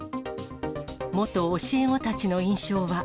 元教え子たちの印象は。